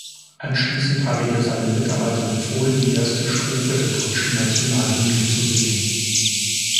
Anschließend habe er seinen Mitarbeitern befohlen, die erste Strophe der deutschen Nationalhymne zu singen.